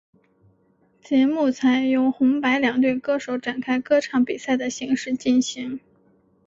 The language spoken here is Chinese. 节目采由红白两队歌手展开歌唱比赛的形式进行。